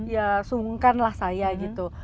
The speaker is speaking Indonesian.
ya sungkanlah saya gitu